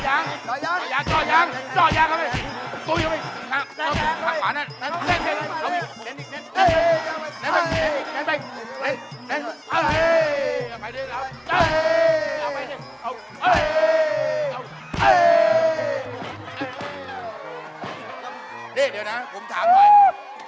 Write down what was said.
และนี่คือความสามารถ